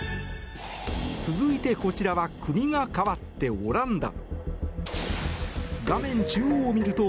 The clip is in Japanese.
続いてこちらは国が変わってオランダ。